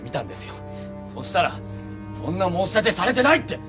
そしたらそんな申し立てされてないって！